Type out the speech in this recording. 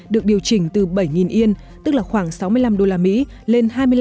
được điều chỉnh từ bảy yen lên hai mươi năm yen